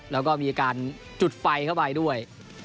แล้วก็มีการจุดไฟเข้าไปด้วย